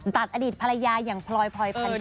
ตัดอดีตภรรยาอย่างพลอยผันทิ้ง